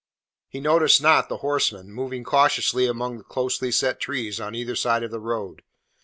He noticed not the horsemen moving cautiously among the closely set trees on either side of the road.